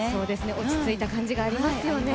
落ち着いた感じがありますよね。